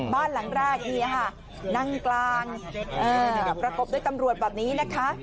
บ้านหลังแรกนี่ค่ะนั่งกลางประกบด้วยตำรวจแบบนี้นะคะ